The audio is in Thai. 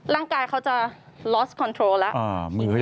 ร่างกายเขาจะลอสคอนโทรลแล้ว